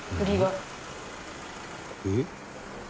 「えっ？」